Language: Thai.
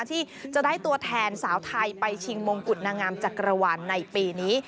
ที่จะได้ตัวแทนสาวไทยไปชิงมงกุฎนางงามจักรวาลในปีนี้